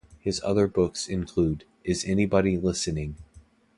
His other books include: Is Anybody Listening?